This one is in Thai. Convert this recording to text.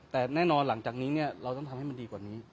แต่แน่นอนหลังจากนี้เราต้องทำให้มันดีกว่านี้